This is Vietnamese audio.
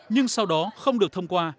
nhưng sau đó không được thông qua